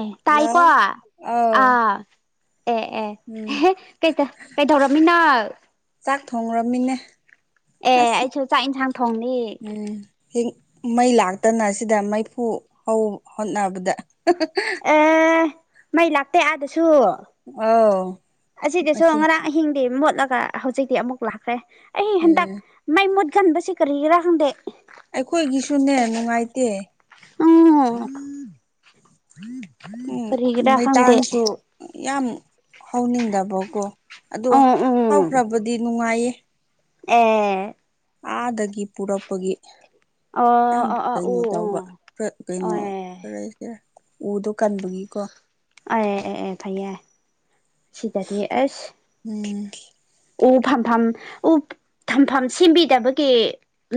ꯑꯦ hello ꯇꯥꯏꯀꯣ ꯑ ꯑꯥꯎ ꯑꯦ ꯑꯦ ꯎꯝ ꯀꯩ ꯀꯩꯗꯧꯔꯝꯃꯤꯅ ꯆꯥꯛ ꯊꯣꯡꯂꯝꯃꯤꯅꯦ ꯑꯦ ꯑꯩꯁꯨ ꯆꯥꯛ ꯏꯟꯁꯥꯡ ꯊꯣꯡꯅꯤ ꯍꯦꯡ ꯃꯩ ꯂꯥꯛꯇꯅ ꯁꯤꯗ ꯃꯩꯐꯨ ꯍꯣꯠꯅꯕꯗ ꯑꯦ ꯃꯩ ꯂꯥꯛꯇꯦ ꯑꯥꯗꯁꯨ [unintelligible] ꯑꯁꯤꯗꯁꯨ ꯑꯁꯤ ꯉꯔꯥꯡ ꯑꯍꯤꯡꯗꯤ ꯃꯣꯠꯂꯒ ꯍꯧꯖꯤꯛꯇꯤ ꯑꯃꯨꯛ ꯂꯥꯛꯈ꯭ꯔꯦ ꯑꯩ ꯍꯟꯗꯛ ꯎꯝ ꯃꯥꯏ ꯃꯨꯠꯀꯥꯟꯕꯁꯤ ꯀꯔꯤꯒꯤꯔꯥ ꯈꯪꯗꯦ ꯑꯩꯈꯣꯏꯒꯤꯁꯨꯅꯦ ꯅꯨꯡꯉꯥꯏꯇꯦ ꯎ ꯎꯝ ꯀꯥꯔꯤꯒꯤꯔꯥ ꯈꯪꯗꯦ ꯃꯩꯇꯥꯟꯁꯨ ꯌꯥꯝ ꯍꯥꯎꯅꯤꯡꯗꯕꯀꯣ ꯑꯗꯣ ꯎꯝ ꯎꯝ ꯍꯥꯎꯈ꯭ꯔꯕꯗꯤ ꯅꯨꯡꯉꯥꯏꯌꯦ [unintelligible] ꯑꯥꯗꯒꯤ ꯄꯨꯔꯛꯄꯒꯤ ꯑꯣ ꯌꯥꯝ ꯑꯣ ꯑꯣ ꯎ ꯀꯩꯅꯣ ꯎ ꯇꯧꯕ ꯑꯣ ꯀꯩꯅꯣ ꯑꯦ ꯈꯔ ꯑꯦ ꯎꯗꯣ ꯀꯟꯕꯒꯤꯀꯣ ꯑꯦ ꯑꯦ ꯑꯦ ꯐꯩꯌꯦ ꯁꯤꯗꯗꯤ ꯑꯁ ꯎꯝ ꯎ ꯐꯝꯐꯝ ꯎ ꯊꯝꯐꯝ ꯁꯦꯝꯕꯤꯗꯕꯒꯤ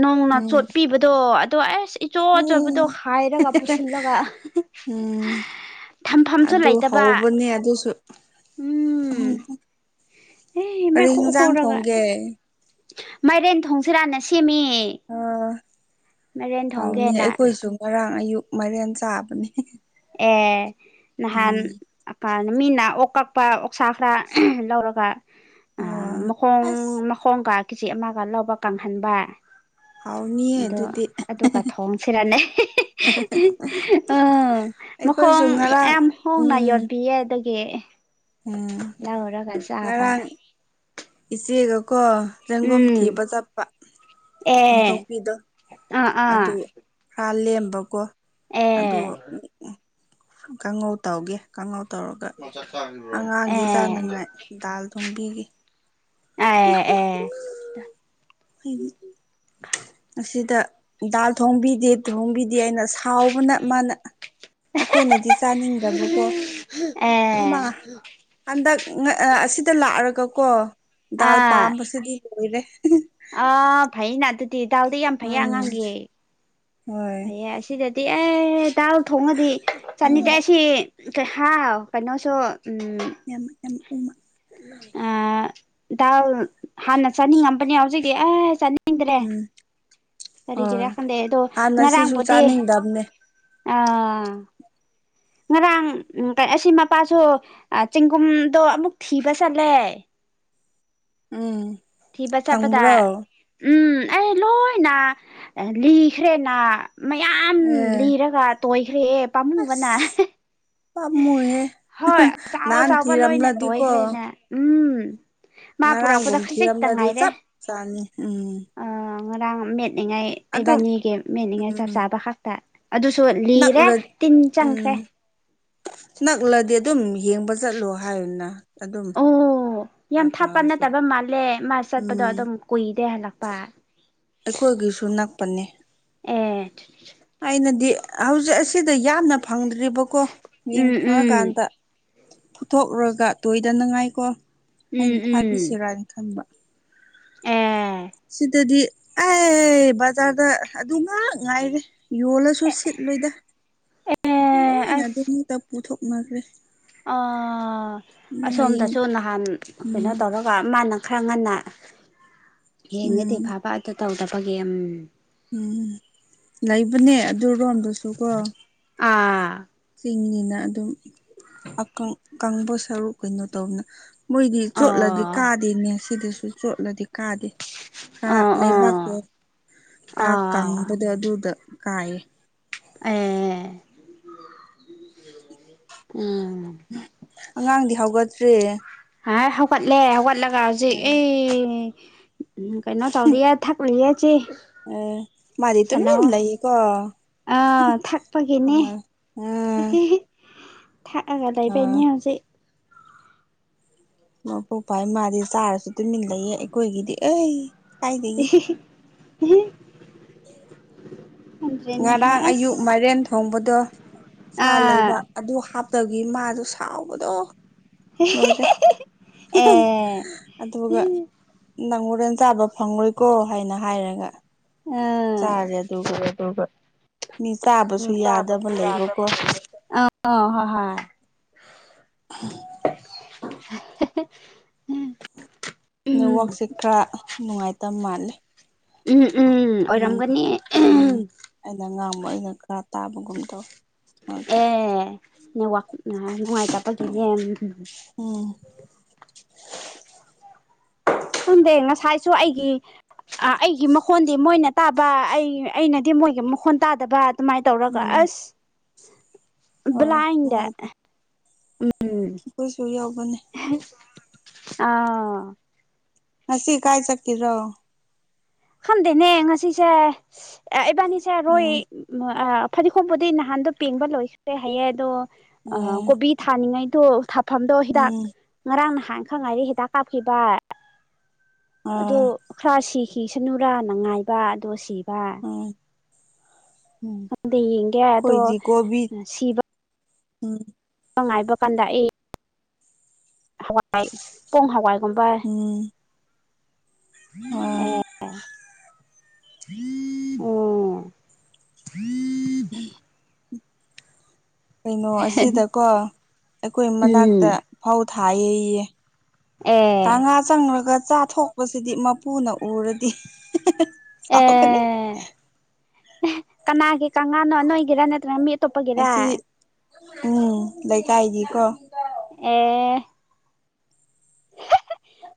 ꯅꯣꯡꯅ ꯎꯝ ꯆꯣꯠꯄꯤꯕ ꯑꯗꯣ ꯑꯗꯣ ꯑꯁ ꯏꯆꯣ ꯑꯆꯕꯗꯣ ꯍꯥꯏꯔꯒ ꯄꯨꯁꯤꯜꯂꯒ ꯎꯝ ꯊꯝꯐꯝꯁꯨ ꯑꯗꯨ ꯂꯩꯇꯕ ꯍꯧꯕꯅꯦ ꯑꯗꯨꯁꯨ ꯎꯝ ꯑꯦ ꯀꯔꯤ ꯃꯥꯏꯈꯨ ꯍꯤꯟꯖꯥꯡ ꯈꯨꯔꯒ ꯊꯣꯡꯒꯦ ꯃꯥꯏꯔꯦꯟ ꯊꯣꯡꯁꯤꯔꯅ ꯁꯦꯝꯃꯤ ꯑ ꯃꯥꯏꯔꯦꯟ ꯍꯥꯎꯅꯤ ꯊꯣꯡꯒꯦꯅ ꯑꯩꯈꯣꯏꯁꯨ ꯉꯔꯥꯡ ꯑꯌꯨꯛ ꯃꯦꯟ ꯆꯥꯕꯅꯦ ꯑꯦ ꯅꯍꯥꯟ ꯎꯝ ꯀꯅ ꯃꯤꯅ ꯑꯣꯛ ꯀꯛꯄ ꯑꯣꯛꯁꯥ ꯈꯔ ꯂꯧꯔꯒ ꯑꯥ ꯃꯈꯣꯡ ꯑꯁ ꯃꯈꯣꯡꯒ ꯀꯦꯖꯤ ꯑꯃꯒ ꯂꯧꯕ ꯀꯪꯍꯟꯕ ꯍꯥꯎꯅꯤꯌꯦ ꯑꯣ ꯑꯗꯨꯗꯤ ꯑꯗꯨꯒ ꯊꯣꯡꯁꯤꯔꯅꯦ ꯎ ꯑꯩꯈꯣꯏꯁꯨ ꯃꯈꯈꯣꯡ ꯉꯔꯥꯡ ꯑꯦꯝ ꯍꯣꯡꯅ ꯎꯝ ꯌꯣꯟ ꯌꯦ ꯑꯗꯨꯗꯒꯤ ꯎꯝ ꯂꯧꯔꯒ ꯆꯥꯕꯥ ꯉꯔꯥꯡ ꯏꯆꯦꯒꯀꯣ ꯆꯦꯡꯒꯨꯝ ꯎꯝ ꯊꯤꯕ ꯆꯠꯄ ꯑꯦ ꯈꯣꯝꯊꯣꯛꯄꯤꯗꯣ ꯑꯥ ꯑꯥ ꯑꯗꯨ ꯈꯔꯥ ꯂꯦꯝꯕꯀꯣ ꯑꯦ ꯑꯗꯨ ꯀꯥꯡꯍꯧ ꯇꯧꯒꯦ ꯀꯍꯣ ꯇꯧꯔꯒ ꯑꯦ ꯑꯉꯥꯡꯒꯤ ꯆꯥꯅꯉꯥꯏ ꯗꯥꯜ ꯊꯣꯝꯕꯤꯒ [unintelligible] ꯐ ꯑꯁꯤꯗ ꯗꯥꯜ ꯊꯣꯡꯕꯤꯗꯦ ꯊꯍꯣꯡꯕꯤꯗꯦ ꯑꯩꯅ ꯁꯥꯎꯕꯅ ꯃꯥꯅ ꯑꯩꯈꯣꯏꯅꯗꯤ ꯆꯥꯅꯤꯡꯗꯕꯀꯣ ꯃꯥ [unintelligible] ꯍꯟꯗꯛ ꯑꯁꯤꯗ ꯂꯥꯛꯑꯔꯒꯀꯣ ꯗꯥꯜ ꯄꯥꯝꯕꯁꯤꯗꯤ ꯂꯣꯏꯔꯦ ꯑ ꯐꯩꯅ ꯑꯗꯨꯗꯤ ꯗꯥꯎꯗꯤ ꯌꯥꯝ ꯐꯩ ꯎꯝ ꯑꯉꯥꯡꯒꯤ ꯍꯣꯏ ꯍꯌꯦ ꯑꯁꯤꯗꯗꯤ ꯑꯦ ꯗꯥꯜ ꯊꯣꯡꯉꯗꯤ ꯎꯝ ꯆꯅꯤꯗꯦ ꯑꯁꯤ ꯀꯩ ꯍꯥꯎ ꯀꯩꯅꯣꯁꯨ ꯌꯥꯝ ꯌꯥꯝ ꯎꯃꯥ ꯌꯥꯝ ꯅꯥꯌꯦ ꯑꯥ ꯗꯥꯜ ꯍꯥꯟꯅ ꯆꯥꯅꯤꯡꯉꯝꯕꯅꯤ ꯌꯥꯎꯖꯤꯛꯗꯤ ꯑꯩ ꯆꯅꯤꯡ ꯎꯝ ꯍꯣꯏ ꯀꯔꯤꯒꯤꯔꯥ ꯈꯟꯗꯩ ꯑꯗꯣ ꯍꯥꯟꯅ ꯁꯤꯁꯨ ꯉꯔꯥꯡꯕꯨꯗꯤ ꯆꯥꯅꯤꯡꯗꯕꯅꯦ ꯑꯥ ꯉꯔꯥꯡ ꯀ ꯑꯁꯤ ꯃꯄꯥꯁꯨ ꯑꯩ ꯆꯦꯡꯒꯨꯝꯗꯣ ꯑꯃꯨꯛ ꯊꯤꯕ ꯆꯠꯂꯦ ꯎꯝ ꯊꯤꯕ ꯆꯠꯄꯗ ꯐꯪꯕ꯭ꯔꯣ ꯎꯝ ꯑꯩ ꯂꯣꯏꯅ ꯂꯤꯈ꯭ꯔꯦꯅ ꯃꯌꯥꯝ ꯑꯦ ꯂꯤꯔꯒ ꯇꯣꯏꯈ꯭ꯔꯦ ꯄꯥꯝꯃꯨꯕꯅ ꯑꯁ ꯄꯥꯝꯃꯨꯍꯦ ꯍꯣꯏ ꯆꯥꯎꯑꯣ ꯅꯍꯥꯟ ꯆꯥꯎꯕ ꯂꯣꯏꯅꯦ ꯊꯤꯔꯝꯂꯗꯤꯀꯣ ꯇꯣꯏꯈ꯭ꯔꯦꯅꯦ ꯎꯝ ꯃꯥ ꯄꯨꯔꯛꯄꯗ ꯉꯔꯥꯡꯒꯨꯝ ꯈꯖꯤꯛꯇ ꯊꯤꯔꯝꯂꯗꯤ ꯆꯞ ꯆꯥꯅꯤ ꯎꯝ ꯑ ꯉꯔꯥꯡ ꯃꯦꯠꯂꯤꯉꯥꯏ ꯑꯗꯨꯝ ꯏꯕꯥꯅꯤꯒꯤ ꯃꯦꯠꯅꯤꯡꯉꯥꯏ ꯆꯞ ꯎꯝ ꯆꯥꯕ ꯈꯛꯇ ꯑꯗꯨꯁꯨ ꯂꯤꯔꯦ ꯅꯛꯔ ꯇꯤꯟ ꯆꯪꯈ꯭ꯔꯦ ꯎꯝ ꯅꯛꯂꯗꯤ ꯑꯗꯨꯝ ꯌꯦꯡꯕ ꯆꯠꯂꯣ ꯍꯥꯏꯅ ꯑꯗꯨꯝ ꯑꯣ ꯌꯥꯝ ꯈꯔ ꯊꯥꯄ ꯈꯔꯁꯨ ꯅꯠꯇꯕ ꯃꯥꯜꯂꯦ ꯃꯥ ꯆꯠꯄꯗꯣ ꯎꯝ ꯑꯗꯨꯝ ꯀꯨꯏꯗꯦ ꯍꯜꯂꯛꯄ ꯑꯩꯈꯣꯏꯒꯤꯁꯨ ꯅꯛꯄꯅꯦ ꯑꯦ ꯑꯩꯅꯗꯤ ꯍꯧꯖꯤꯛ ꯑꯁꯤꯗ ꯌꯥꯝꯅ ꯐꯪꯗ꯭ꯔꯤꯕꯀꯣ ꯎꯝ ꯌꯦꯡ ꯎꯝ ꯐꯪꯉꯀꯥꯟꯗ ꯐꯨꯊꯣꯛꯎꯒ ꯇꯣꯏꯗꯅꯉꯥꯏꯀꯣ ꯎꯝ ꯑꯩꯅ ꯎꯝ ꯊꯥꯕꯤꯁꯤꯔꯅ ꯈꯟꯕ ꯑꯦ ꯁꯤꯗꯗꯤ ꯑꯩ ꯕꯖꯥꯔꯗ ꯑꯗꯨ ꯉꯥꯛ ꯉꯥꯏꯔꯦ ꯌꯣꯜꯂꯁꯨ ꯁꯤꯠꯂꯣꯏꯗ ꯑꯦ ꯂꯣꯏꯅ ꯑꯁ ꯑꯗꯨꯃꯛꯇ ꯄꯨꯊꯣꯛꯅꯈ꯭ꯔꯦ ꯑ ꯍꯌꯦꯡ ꯑꯁꯣꯝꯗꯁꯨ ꯅꯍꯥꯟ ꯀꯩꯅꯣ ꯎꯝ ꯇꯧꯔ ꯀ ꯃꯥꯅ ꯈꯔ ꯉꯟꯅ ꯌꯦꯡꯒꯗꯤ ꯎꯝ ꯐꯕ ꯑꯗꯨ ꯇꯧꯗꯕꯒꯤ ꯌꯝ ꯎꯝ ꯂꯩꯕꯅꯦ ꯑꯗꯨ ꯔꯣꯝꯗꯨꯁꯨ ꯀꯣ ꯑꯥ ꯆꯤꯡꯅꯤꯅ ꯑꯗꯨꯝ ꯑꯀꯪ ꯀꯪꯕ ꯁꯔꯨꯛ ꯀꯩꯅꯣ ꯇꯧꯅ ꯃꯣꯏꯗꯤ ꯆꯣꯠꯂꯗꯤ ꯑꯣ ꯀꯥꯗꯦꯅꯦ ꯁꯤꯗꯁꯨ ꯆꯣꯠꯂꯗꯤ ꯀꯥꯗꯦ ꯈꯔ ꯑꯣ ꯑꯣ ꯂꯩꯕꯥꯛꯇꯣ ꯈꯔ ꯑꯣ ꯀꯪꯕꯗꯣ ꯑꯗꯨꯗ ꯀꯥꯏꯌꯦ ꯑꯦ ꯎꯝ ꯑꯉꯥꯡꯗꯤ ꯍꯧꯒꯠꯇ꯭ꯔꯦ ꯍꯥꯏ ꯍꯧꯒꯠꯂꯦ ꯍꯧꯒꯠꯂꯒ ꯍꯧꯖꯤꯛ ꯑꯦ ꯑꯩ ꯎ ꯀꯩꯅꯣ ꯇꯥꯎꯔꯤꯌꯦ ꯊꯛꯂꯤꯌꯦ ꯆꯦ ꯑꯩ ꯃꯥꯗꯤ ꯇꯨꯃꯤꯟ ꯂꯩꯌꯦꯀꯣ ꯑ ꯎꯝ ꯊꯛꯄꯒꯤꯅꯦ ꯑꯥ ꯊꯛꯑꯒ ꯂꯩꯕꯩꯅꯤ ꯍꯧꯖꯤꯛ ꯃꯄꯨꯛ ꯐꯩ ꯃꯥꯗꯤ ꯆꯥꯔꯁꯨ ꯇꯨꯃꯤꯟ ꯂꯩꯑꯦ ꯑꯩꯈꯣꯏꯒꯤꯗꯤ ꯑꯩ ꯀꯥꯏꯗꯒꯤ [unintelligible] [inaudible] ꯉꯔꯥꯡ ꯑꯌꯨꯛ ꯑꯁ ꯃꯥꯏꯔꯦꯟ ꯊꯣꯡꯕꯗꯣ ꯁꯥ ꯂꯩꯕ ꯑꯥ ꯑꯗꯨ ꯍꯥꯞꯇꯕꯒꯤ ꯃꯥꯗꯣ ꯁꯥꯎꯕꯗꯣ ꯂꯣꯏꯔꯦ ꯑꯦ [unintelligible] ꯑꯗꯨꯒ ꯅꯪ ꯍꯣꯔꯦꯜ ꯆꯥꯕ ꯐꯪꯂꯣꯏꯀꯣ ꯍꯥꯏꯅ ꯍꯥꯏꯔꯒ ꯑꯥ ꯆꯥꯔꯦ ꯑꯗꯨꯒ ꯃꯤ ꯆꯥꯕꯁꯨ ꯌꯥꯗꯕ ꯂꯩꯕꯀꯣ [unintelligible] [unintelligible] ꯍꯣ ꯍꯣꯏ [inaudible] [unintelligible] ꯎꯝ ꯅꯦꯠꯋꯥꯔꯛꯁꯦ ꯈꯔ ꯅꯨꯡꯉꯥꯏꯇꯕ ꯃꯥꯜꯂꯦ ꯎꯝ ꯎꯝ ꯎꯝ ꯑꯣꯏꯔꯝꯒꯅꯤ ꯎꯝ [unintelligible] ꯑꯩꯅ ꯉꯥꯡꯕ ꯑꯩꯅ ꯈꯔ ꯇꯥꯕꯒꯨꯝꯗꯧꯏ ꯃꯔꯛꯇ ꯑꯦ ꯅꯦꯠꯋꯥꯛ ꯅꯨꯡꯉꯥꯏꯇꯕꯒꯅꯤ ꯎꯝ ꯈꯪꯗꯦ ꯉꯁꯥꯏꯁꯨ ꯑꯩꯒꯤ ꯑꯩꯒꯤ ꯃꯈꯣꯟꯗꯤ ꯃꯣꯏꯅ ꯇꯥꯕ ꯑꯩ ꯑꯩꯅꯗꯤ ꯃꯣꯏꯒꯤ ꯃꯈꯣꯟ ꯇꯥꯗꯕ ꯑꯗꯨꯃꯥꯏꯅ ꯇꯧꯔꯒ ꯎꯝ ꯑꯁ ꯍꯣꯏ ꯕ꯭ꯂꯥꯏꯟꯗ ꯅꯨꯡꯉꯥꯏꯇꯦ ꯎꯝ ꯑꯩꯈꯣꯏꯁꯨ ꯌꯥꯎꯕꯅ‌ꯦ [unintelligible] ꯑꯥꯎ ꯉꯁꯤ ꯀꯥꯏ ꯆꯠꯀꯤꯔꯣ ꯈꯟꯗꯦꯅꯦ ꯉꯁꯤꯁꯦ ꯏꯕꯥꯅꯤꯁꯦ ꯔꯣꯏ ꯎꯝ ꯐꯗꯤꯒꯣꯝꯕꯨꯗꯤ ꯅꯍꯥꯟꯗꯣ ꯄꯦꯡꯕ ꯂꯣꯏꯈ꯭ꯔꯦ ꯍꯥꯏꯌꯦ ꯑꯗꯣ ꯑꯥ ꯑꯦ ꯀꯣꯕꯤ ꯊꯥꯅꯤꯡꯉꯩꯗꯣ ꯊꯥꯐꯝꯗꯣ ꯍꯤꯗꯥꯛ ꯎꯝ ꯉꯔꯥꯡ ꯅꯍꯥꯟꯅ ꯈꯪ ꯉꯥꯏꯔꯤ ꯍꯤꯗꯥꯛ ꯀꯥꯞꯈꯤꯕ ꯑꯗꯣ ꯑꯥ ꯈꯔ ꯁꯤꯈꯤꯁꯤꯅꯨꯔꯥꯅ ꯉꯥꯏꯕ ꯑꯗꯣ ꯁꯤꯕ ꯎꯝ ꯎꯝ ꯈꯪꯗꯦ ꯌꯦꯡꯒꯦ ꯑꯗꯣ ꯈꯣꯏꯗꯤ ꯀ‌ꯣꯕꯤ ꯎꯝ [unintelligible] ꯉꯥꯏꯕ ꯀꯥꯟꯗ ꯑꯩ ꯍꯋꯥꯏ ꯄꯣꯡ ꯍꯋꯥꯥꯏꯒꯨꯝꯕ ꯎꯝ ꯑꯥ ꯑꯦ [unintelligible] [unintelligible] ꯀꯩꯅꯣ ꯑꯁꯤꯗꯀꯣ ꯑꯩꯈꯣꯏ ꯎꯝ ꯃꯅꯥꯛꯇ ꯐꯧ ꯊꯥꯌꯦꯌꯦ ꯑꯦ ꯀꯥꯡꯉꯥ ꯆꯪꯔꯒ ꯆꯥꯊꯣꯛꯄꯁꯤꯗꯤ ꯃꯄꯨꯅ ꯎꯔꯗꯤ ꯁꯥꯎꯒꯅꯤ ꯑꯦ ꯀꯅꯥꯒꯤ ꯀꯥꯉꯥꯅꯣ ꯅꯣꯏꯒꯤꯔ ꯅꯠꯇ꯭ꯔꯅ ꯃꯤ ꯑꯇꯣꯞꯄꯒꯤꯔ ꯑꯁꯤ ꯎꯝ ꯂꯩꯀꯥꯏꯒꯤꯀꯣ ꯑꯦ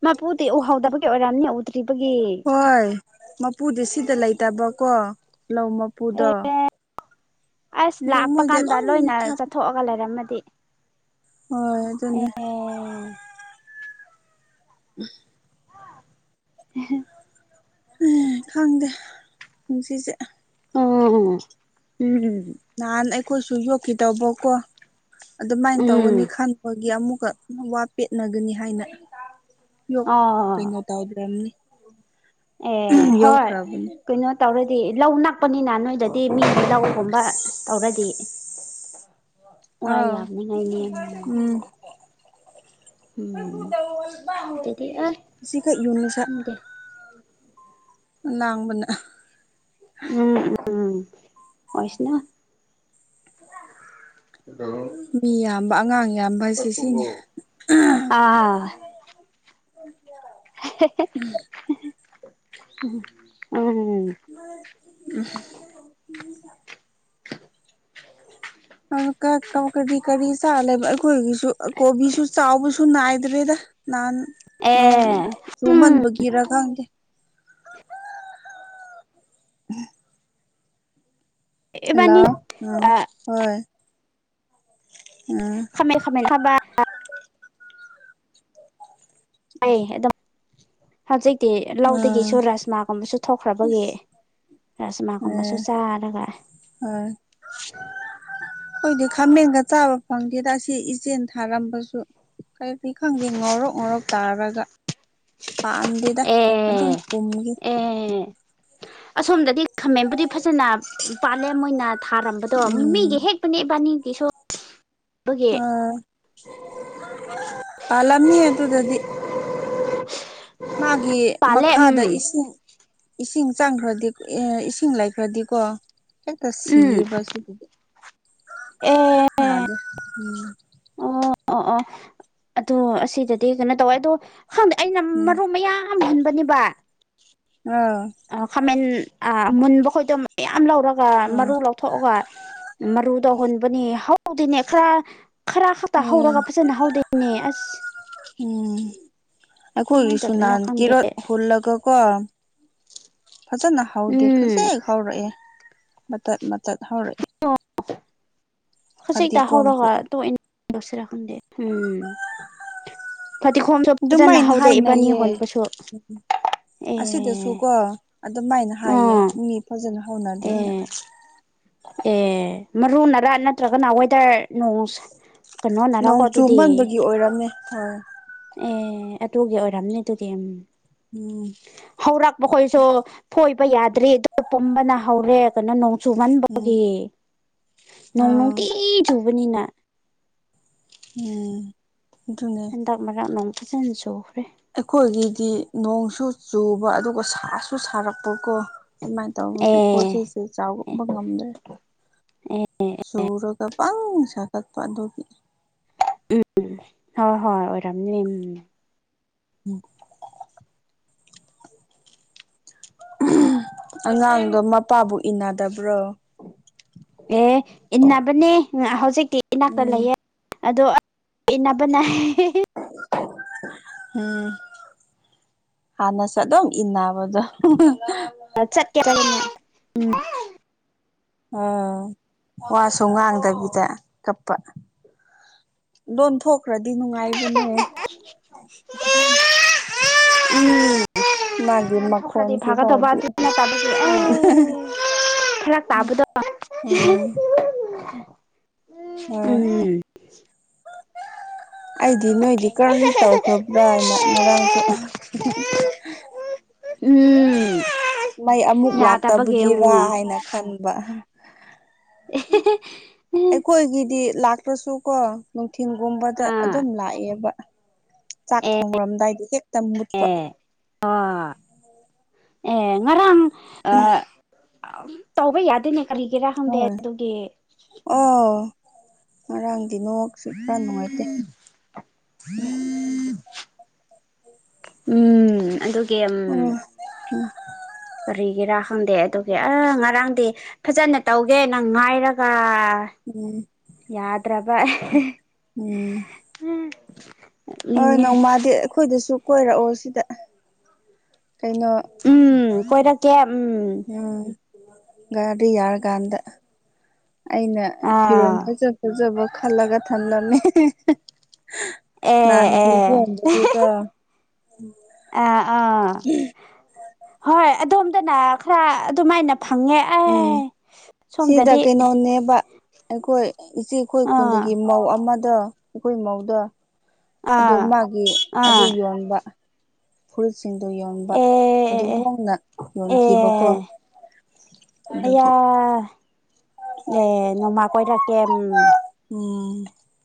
ꯃꯄꯨꯗꯤ ꯎꯍꯧꯗꯕꯒꯤ ꯑꯣꯏꯔꯝꯅꯤ ꯎꯗ꯭ꯔꯤꯕꯒꯤ ꯍꯣꯏ ꯃꯄꯨꯗꯤ ꯁꯤꯗ ꯂꯩꯇꯕꯀꯣ ꯂꯧ ꯃꯄꯨꯗꯣ ꯑꯁ ꯑꯗꯨ ꯂꯥꯛꯄ ꯃꯣꯏꯗꯤ ꯀꯥꯟꯗ ꯑꯗꯨꯝ ꯂ‌ꯣꯏꯅꯥ ꯊꯥꯞ ꯆꯠꯊꯣꯛꯑꯒ ꯂꯩꯔꯝꯃꯗꯤ ꯍꯣꯏ ꯑꯗꯨꯅꯦ ꯑꯦ [unintelligible] [unintelligible] ꯎꯝ ꯈꯪꯗꯦ ꯄꯨꯟꯁꯤꯁꯦ ꯑꯣ ꯎꯝ ꯅꯍꯥꯟ ꯑꯩꯈꯣꯏꯁꯨ ꯌꯣꯛꯈꯤꯗꯧꯕꯀꯣ ꯑꯗꯨꯃꯥꯏꯅ ꯎꯝ ꯇꯧꯒꯅꯤ ꯈꯟꯕꯒꯤ ꯑꯃꯨꯛꯀ ꯋꯥ ꯄꯦꯠꯅꯒꯅꯤ ꯍꯥꯏꯅ ꯌꯣ ꯑꯣ ꯀꯩꯅꯣ ꯇꯧꯗ꯭ꯔꯕꯅꯤ ꯑꯦ ꯍꯣꯏ ꯌꯣꯛꯇ꯭ꯔꯕꯅꯤ ꯀꯩꯅꯣ ꯇꯧꯔꯗꯤ ꯂꯧ ꯅꯛꯄꯅꯤꯅ ꯅꯣꯏ ꯁꯤꯗꯗꯤ ꯃꯤꯒꯤ ꯂꯧꯒꯨꯝꯕ ꯇꯧꯔꯗꯤ ꯋꯥ ꯑꯥꯎ ꯌꯥꯝꯅꯤꯉꯥꯏꯅꯦ ꯎꯝ ꯎꯝ ꯑꯗꯨꯗꯤ ꯑꯦ ꯈꯪꯗꯦ [unintelligible] ꯂꯥꯡꯕꯅ ꯎꯝ ꯎꯝ ꯑꯣꯏꯁꯅꯨ [unintelligible] ꯃꯤ ꯌꯥꯝꯕ ꯑꯉꯥꯡ ꯌꯥꯝꯕ ꯍꯥꯏꯁꯦ ꯁꯤꯅꯤ ꯑꯥ [unintelligible] [unintelligible] [unintelligible] ꯑꯩꯈꯣꯏꯒꯤꯁꯨ ꯀꯣꯕꯤꯁꯨ ꯆꯥꯎꯕꯁꯨ ꯅꯥꯏꯗ꯭ꯔꯦꯗ ꯅꯍꯥꯟ ꯅꯣꯡ ꯑꯦ ꯎꯝ ꯆꯨꯃꯟꯕꯒꯤꯔ ꯈꯪꯗꯦ [unintelligible] ꯍꯜꯂꯣ ꯏꯕꯥꯅꯤ ꯑꯥ ꯑ ꯍꯣꯏ ꯎꯝ [unintelligible] [inaudible] ꯍꯧꯖꯤꯛꯇꯤ ꯎꯝ ꯂꯧꯗꯒꯤꯁꯨ ꯔꯥꯁꯃꯥꯒꯨꯝꯕꯁꯨ ꯊꯣꯛꯈ꯭ꯔꯕꯒꯤ ꯑꯁ ꯔꯁꯃꯥꯒꯨꯝꯕꯁꯨ ꯑꯦ ꯆꯥꯔꯒ ꯈꯣꯏꯗꯤ ꯈꯥꯃꯦꯟꯒ ꯆꯥꯕ ꯐꯪꯗꯦꯗ ꯑꯁꯤ ꯏꯆꯦꯅ ꯊꯥꯔꯝꯕꯁꯨ ꯀꯔꯤ ꯈꯪꯗꯦ ꯉꯧꯔꯣꯛ ꯉꯧꯔꯣꯛ ꯇꯥꯔꯒ ꯄꯥꯟꯗꯦ ꯑꯗꯨꯝ ꯑꯦ ꯄꯨꯝꯈꯤ ꯑꯦ ꯑꯁꯣꯝꯗꯗꯤ ꯈꯥꯃꯦꯝꯕꯨꯗꯤ ꯐꯖꯅ ꯄꯥꯂꯦ ꯃꯣꯢꯅ ꯊꯥꯔꯝꯕꯗꯣ ꯃꯤꯒꯤ ꯎꯝ ꯍꯦꯛ ꯏꯕꯥꯟ ꯅꯤꯒꯤ ꯁꯨ ꯑꯣ ꯄꯜꯂꯝꯅꯤꯍꯦ ꯑꯗꯨꯗꯗꯤ ꯃꯥꯒꯤ ꯄꯥꯜꯂꯦ ꯎꯝ ꯃꯈꯥꯗ ꯏꯁꯤꯡ ꯏꯁꯤꯡ ꯆꯥꯡꯈ꯭ꯔꯗꯤ ꯏꯁꯤꯡ ꯂꯩꯥꯈ꯭ꯔꯗꯤꯀꯣ ꯍꯦꯛꯇꯥ ꯎꯝ ꯁꯤꯌꯦꯕ ꯁꯤ ꯑꯦ ꯌꯥꯗꯦ ꯑꯣ ꯑꯣ ꯑꯣ ꯑꯗꯣ ꯑꯁꯤꯗꯗꯤ ꯀꯩꯅꯣ ꯇꯧꯋꯦ ꯑꯗꯣ ꯈꯪꯗꯦ ꯑꯩꯅ ꯎꯝ ꯃꯔꯨ ꯃꯌꯥꯝ ꯌꯥꯝ ꯍꯨꯟꯕꯅꯦꯕ ꯑꯥ ꯈꯥꯃꯦꯟ ꯑ ꯃꯨꯟꯕ ꯈꯣꯏꯗꯣ ꯃꯌꯥꯝ ꯂꯧꯔꯒ ꯑꯥ ꯃꯔꯨ ꯂꯧ ꯊꯣꯛꯑꯒ ꯃꯔꯨꯇꯣ ꯍꯨꯟꯕꯅꯤ ꯍꯧꯗꯅꯦ ꯈꯔ ꯈꯔ ꯈꯛꯇ ꯎꯝ ꯍꯧꯔꯒ ꯐꯖꯅ ꯍꯧꯗꯩꯅꯦ ꯑꯁ ꯎꯝ ꯀꯃꯥꯏꯅ ꯑꯩꯈꯣꯏꯒꯤꯁꯨ ꯇꯧꯗꯣꯏꯅꯣ ꯅꯥꯍꯟ ꯈꯪꯗꯦ ꯀꯦꯔꯣꯠ ꯍꯣꯜꯂꯒ ꯀꯣ ꯐꯖꯅ ꯍꯧꯗꯦ ꯎꯝ ꯈꯖꯤꯛ ꯍꯧꯔꯛꯑꯦ ꯃꯇꯠ ꯃꯇꯠ ꯍꯧꯔꯛꯑꯦ ꯑꯣ ꯍꯧꯖꯤꯛꯇ ꯐꯗꯤꯒꯣꯝꯁꯨ ꯍꯧꯔꯒ ꯇꯣꯛꯑꯦ [inaudible] ꯐꯗꯤꯈꯣꯝꯁꯨ ꯐꯖꯅ ꯑꯗꯨꯃꯥꯏꯅ ꯍꯧꯗꯦ ꯏꯕꯥꯟꯅꯤ ꯍꯥꯏꯅꯩꯌꯦ ꯍꯨꯟꯕꯁꯨ ꯑꯁꯤꯗꯁꯨ ꯀꯣ ꯑꯗꯨꯃꯥꯢꯅ ꯍꯥꯏꯌꯦ ꯑꯥ ꯃꯤ ꯐꯖꯅ ꯍꯧꯅꯗꯦꯅ ꯑꯦ ꯑꯦ ꯃꯔꯨꯅꯔꯥ ꯅꯠꯇ꯭ꯔꯒꯅ ꯋꯦꯗꯔ ꯅꯣꯡꯁ ꯅꯣꯡ ꯆꯨꯃꯟꯕꯒꯤ ꯑꯣꯏꯔꯝꯅꯤ ꯍꯣꯏ ꯑꯦ ꯑꯗꯨꯒꯤ ꯑꯣꯏꯔꯝꯅꯤ ꯑꯗꯨꯗꯤ ꯎꯝ ꯍꯧꯔꯛꯄꯈꯣꯏꯁꯨ ꯐꯣꯏꯕ ꯌꯥꯗ꯭ꯔꯤ ꯑꯗꯨ ꯄꯨꯝꯕꯅ ꯍꯧꯔꯦ ꯀꯩꯅꯣ ꯅꯣꯡ ꯎꯝ ꯆꯨꯃꯟꯕꯒꯤ ꯅꯣꯡ ꯑꯥ ꯅꯨꯡꯇꯤ ꯒꯤ ꯆꯨꯕꯅꯤꯅꯥ ꯎꯝ ꯑꯗꯨꯅꯦ ꯍꯟꯗꯛ ꯃꯔꯛ ꯅꯨꯡ ꯐꯖꯅ ꯆꯨꯈ꯭ꯔꯦ ꯑꯩꯈꯣꯏꯒꯤꯗꯤ ꯅꯣꯡꯁꯨ ꯆꯨꯕ ꯑꯗꯨꯒ ꯁꯥꯁꯨ ꯁꯥꯔꯛꯄꯀꯣ ꯑꯗꯨꯃꯥꯏꯅ ꯇꯧꯕꯒꯤ ꯄꯣꯠ ꯑꯦ ꯆꯩꯁꯦ ꯆꯥꯎꯄ ꯉꯝꯗ꯭ꯔꯦ ꯁꯨꯔꯒ ꯄꯪ ꯁꯥꯒꯠꯄ ꯑꯗꯨꯒꯤ ꯎꯝ ꯍꯣꯏ ꯍꯣꯏ ꯑꯣꯏꯔꯝꯅꯤ ꯎꯝ [unintelligible] ꯑꯉꯥꯡꯗꯣ ꯃꯄꯥꯕꯨ ꯏꯟꯅꯗꯕ꯭ꯔꯣ ꯑꯦ ꯏꯟꯅꯕꯅꯦ ꯍꯧꯖꯤꯛꯇꯤ ꯏꯅꯥꯛꯇ ꯎꯝ ꯂꯩꯌꯦ ꯑꯗꯣ ꯢꯟꯅꯕꯅꯦ ꯎꯝ ꯍꯥꯟꯅꯁꯨ ꯑꯗꯨꯝ ꯏꯟꯅꯕꯗꯣ ꯆꯠ ꯎꯝ [inaudible] ꯎꯝ ꯋꯥꯁꯨ ꯉꯥꯡꯗꯕꯤꯗ ꯀꯞꯄ ꯂꯣꯟꯊꯣꯛꯈ꯭ꯔꯗꯤ ꯅꯨꯡꯉꯥꯏꯕꯅꯦ ꯎꯝ ꯃꯥꯒꯤ [inaudible] ꯃꯈꯣꯟꯁꯤ ꯐꯥꯎꯗꯤ [inaudible] ꯎꯝ ꯐꯔꯥꯛ ꯎꯝ ꯇꯥꯕꯗꯣ ꯍꯣꯢ ꯎꯝ ꯑꯩꯗꯤ ꯅꯣꯏꯗꯤ ꯀꯔꯝ ꯇꯧꯈ꯭ꯔꯕ꯭ꯔꯥ ꯍꯥꯏꯅ ꯉꯔꯥꯡꯁꯨ ꯎꯝ ꯃꯩ ꯑꯃꯨꯛ ꯌꯥꯗꯕꯒꯤ ꯂꯥꯛꯇꯕꯒꯤꯔꯥ ꯌꯦꯡꯉꯨ ꯍꯥꯏꯅ ꯈꯟꯕ ꯑꯩꯈꯣꯏꯒꯤꯗꯤ ꯂꯥꯛꯇ꯭ꯔꯁꯨꯀꯣ ꯅꯨꯡꯊꯤꯟꯜꯒꯨꯝꯕꯗ ꯑꯥ ꯑꯗꯨꯝ ꯂꯥꯛꯑꯦꯕ ꯆꯥꯛ ꯊꯣꯡꯡꯂꯝꯗꯥꯏꯗ ꯍꯦꯛꯇ ꯃꯨꯠꯄ ꯑꯣ ꯑꯦ ꯉꯔꯥꯡ ꯑ ꯇꯧꯕ ꯌꯥꯗꯦꯅꯦ ꯀꯔꯤꯒꯤꯔꯥ ꯈꯪꯗꯦ ꯍꯣꯏ ꯑꯗꯨꯒꯤ ꯑꯣ ꯉꯔꯥꯡꯗꯤ ꯅꯦꯠꯋꯥꯛꯁꯨ ꯈꯔ ꯅꯨꯡꯉꯥꯏꯇꯦ ꯎꯝ ꯑꯗꯨ ꯑꯣ ꯀꯔꯤꯒꯤꯔꯥ ꯈꯪꯗꯦ ꯑꯗꯨꯒꯤ ꯑ ꯉꯔꯥꯡꯗꯤ ꯐꯖꯅ ꯇꯧꯒꯦ ꯅꯪ ꯉꯥꯏꯔꯒ ꯎꯝ ꯌꯥꯗ꯭ꯔꯕ ꯎꯝ ꯍꯣꯏ ꯅꯤꯡꯉꯦ ꯅꯣꯡꯃꯗꯤ ꯑꯩꯈꯣꯏꯗꯁꯨ ꯀꯣꯏꯔꯛꯑꯣ ꯁꯤꯗ ꯀꯩꯅꯣ ꯎꯝ ꯀꯣꯏꯔꯛꯀꯦ ꯎꯝ ꯎꯝ ꯒꯥꯔꯗ ꯌꯥꯔꯀꯥꯟꯗ ꯑꯩꯅ ꯐꯤꯔꯣꯜ ꯑꯥ ꯐꯖꯕ ꯐꯥꯖꯕ ꯈꯜꯂꯒ ꯊꯥꯟꯂꯝꯃꯦ ꯑꯦ ꯑꯦ ꯑꯥ ꯑꯥ [unintelligible] ꯍꯣꯏ ꯑꯗꯣꯝꯗꯅ ꯈꯔ ꯑꯗꯨꯃꯥꯏꯅ ꯐꯪꯉꯦ ꯑꯦ ꯎꯝ ꯁꯤꯗ ꯁꯣꯝꯗꯗꯤ ꯀꯩꯅꯣꯅꯦꯕ ꯑꯩꯈꯣꯏ ꯏꯆꯦ ꯑꯩꯈꯣꯏ ꯑꯥ ꯈꯨꯟꯗꯒꯤ ꯃꯧ ꯑꯃꯗꯣ ꯑꯩꯈꯣꯏ ꯃꯧꯗ ꯑꯗꯨ ꯑꯥ ꯃꯥꯒꯤ ꯑꯥ ꯑꯗꯨ ꯌꯣꯟꯕ ꯐꯨꯠꯁꯤꯡꯗꯨ ꯌꯣꯟꯕ ꯑꯦ ꯑꯗꯨ ꯑꯦ ꯍꯣꯡꯅ ꯑꯦ ꯌꯣꯟꯈꯤꯕꯀꯣ ꯑꯌꯥ ꯑꯗꯨꯒꯤ ꯑꯦ ꯅꯃꯥ ꯀꯣꯏꯔ ꯀꯦ ꯎꯝ